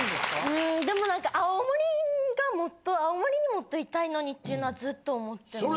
うんでも何か青森がもっと青森にもっといたいのにっていうのはずっと思ってます。